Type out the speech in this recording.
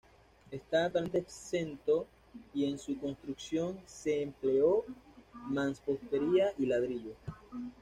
Está totalmente exento y en su construcción se empleó mampostería y ladrillo.